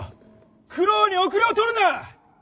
九郎に後れを取るな！